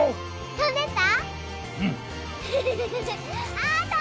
飛んでった！